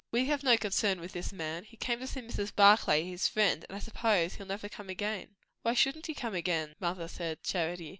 "We have no concern with this man. He came to see Mrs. Barclay, his friend, and I suppose he'll never come again." "Why shouldn't he come again, mother?" said Charity.